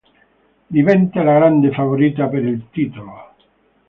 Diventa la grande favorita per il titolo.